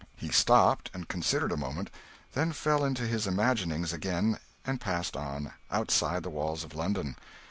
He stopped and considered a moment, then fell into his imaginings again, and passed on outside the walls of London.